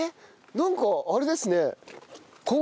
なんかあれですね。